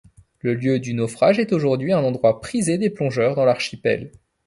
Le lieu du naufrage est aujourd'hui un endroit prisé des plongeurs dans l'archipel.